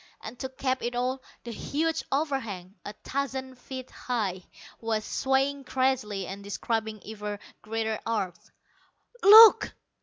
And to cap it all, the huge overhang, a thousand feet high, was swaying crazily and describing ever greater arcs. "Look!"